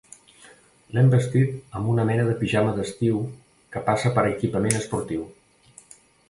L'hem vestit amb una mena de pijama d'estiu que passa per equipament esportiu.